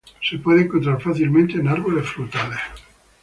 Se puede encontrar fácilmente en árboles frutales.